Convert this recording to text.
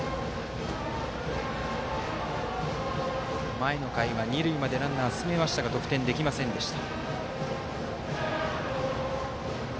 前の回は二塁までランナー進めましたが得点できませんでした。